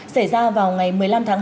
xảy ra vào ngày một mươi năm tháng hai